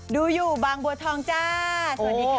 ดูอยู่บางบัวทองจ้าสวัสดีค่ะ